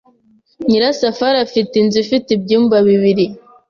Nyirasafari afite inzu ifite ibyumba bibiri.